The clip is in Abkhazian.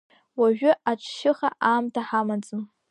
Уажәы аҽшьыха аамҭа ҳамаӡам.